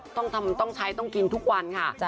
ต้องใช้ต้องกินทุกวันค่ะ